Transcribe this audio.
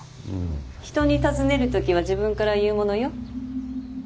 人に尋ねる時は自分から言うものよ。